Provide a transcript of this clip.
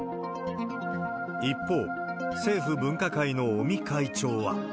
一方、政府分科会の尾身会長は。